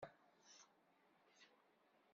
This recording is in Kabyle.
Amek tettiliḍ tineggura-ya?